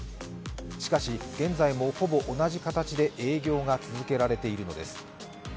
しかし、現在もほぼ同じ形で営業が続けられているのです。